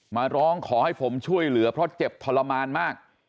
มาร้องขอให้ผมช่วยเหลือเพราะเจ็บทรมานมาก